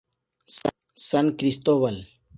San Cristóbal